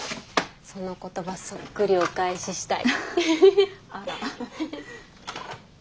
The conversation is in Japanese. その言葉そっくりお返ししたい。